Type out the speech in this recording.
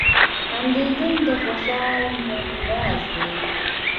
• خندېدل د خوشال ژوند راز دی.